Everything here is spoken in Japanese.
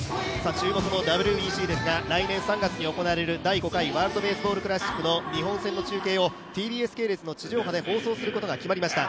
注目のＷＢＣですが、来年３月に行われる第５回ワールドベースボールクラシックの日本戦の中継をＴＢＳ系列の地上波で放送することが決まりました。